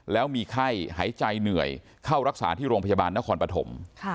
แล้วมีไข้หายใจเหนื่อยเข้ารักษาที่โรงพยาบาลนครปฐม